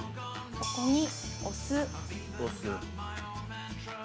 ここにお酢。